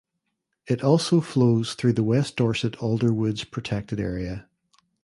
It also flows through the West Dorset Alder Woods protected area.